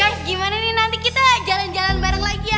nanti kita jalan jalan bareng lagi ya